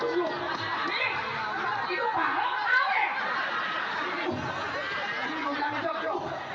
emang cara pasaran gak ya